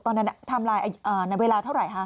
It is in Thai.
ตอนนั้นทำลายเวลาเท่าไหร่